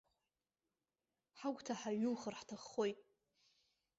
Ҳагәҭа ҳаиҩухыр ҳҭахоит.